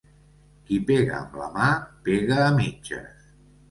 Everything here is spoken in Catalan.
Qui pega amb la mà pega a mitges.